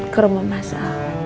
ke rumah masa